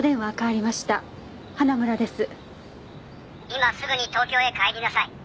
「今すぐに東京へ帰りなさい」